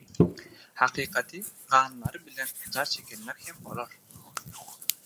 Hakykaty ganlary bilen jar çekenler hem bolar.